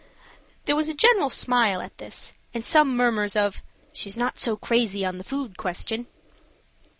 There was a general smile at this, and some murmurs of "She's not so crazy on the food question."